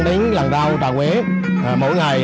đến làng rau trà quế mỗi ngày